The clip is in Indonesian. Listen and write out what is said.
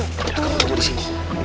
kamu tunggu di sini